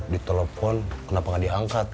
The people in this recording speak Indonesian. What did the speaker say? ditelepon kenapa gak diangkat